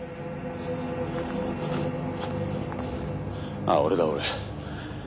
ああ俺だ俺。